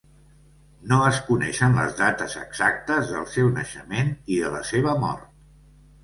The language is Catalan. No es coneixen les dates exactes del seu naixement i de la seva mort.